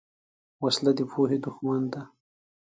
وسله د پوهې دښمن ده